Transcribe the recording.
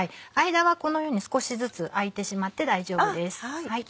間はこのように少しずつ空いてしまって大丈夫です。